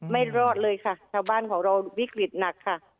ไม่รอดเลยค่ะชาวบ้านของเราวิกฤตหนักค่ะ